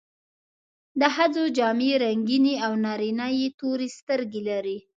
د ښځو جامې رنګینې او نارینه یې تورې سترګې لري.